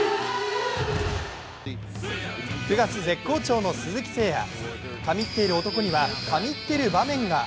９月絶好調の鈴木誠也、神ってる男には神ってる場面が。